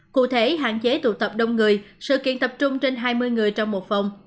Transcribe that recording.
cụ thể hạn chế tụ tập đông người sự kiện tập trung trên hai mươi người trong một phòng